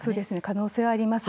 可能性はあります。